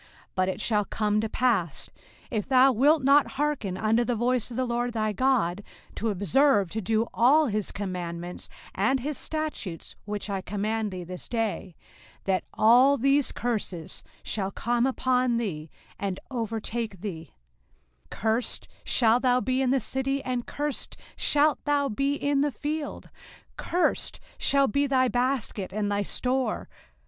05:028:015 But it shall come to pass, if thou wilt not hearken unto the voice of the LORD thy God, to observe to do all his commandments and his statutes which I command thee this day; that all these curses shall come upon thee, and overtake thee: 05:028:016 Cursed shalt thou be in the city, and cursed shalt thou be in the field. 05:028:017 Cursed shall be thy basket and thy store.